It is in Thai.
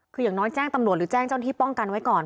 คืออย่างน้อยแจ้งตำรวจหรือแจ้งเจ้าหน้าที่ป้องกันไว้ก่อน